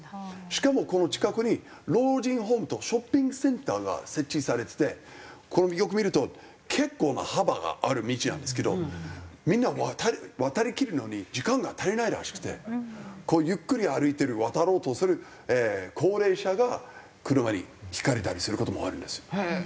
しかもこの近くに老人ホームとショッピングセンターが設置されててこれもよく見ると結構な幅がある道なんですけどみんな渡りきるのに時間が足りないらしくてゆっくり歩いてる渡ろうとする高齢者が車にひかれたりする事もあるんですよ。